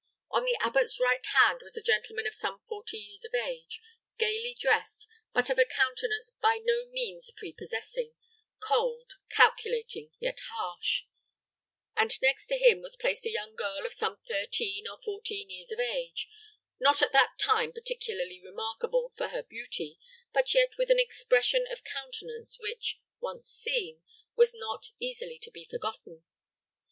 On the abbot's right hand was a gentleman of some forty years of age, gayly dressed, but of a countenance by no means prepossessing, cold, calculating, yet harsh; and next to him was placed a young girl of some thirteen or fourteen years of age, not at that time particularly remarkable for her beauty, but yet with an expression of countenance which, once seen, was not easily to be forgotten.